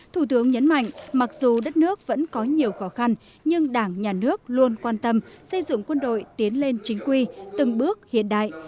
thủ tướng nhấn mạnh mặc dù đất nước vẫn có nhiều khó khăn nhưng đảng nhà nước luôn quan tâm xây dựng quân đội tiến lên chính quy từng bước hiện đại